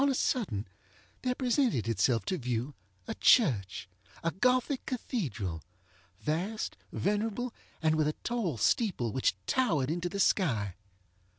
On a sudden, there presented itself to view a churchŌĆöa Gothic cathedralŌĆövast, venerable, and with a tall steeple, which towered into the sky.